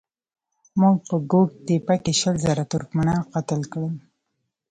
موږ په ګوک تېپه کې شل زره ترکمنان قتل کړل.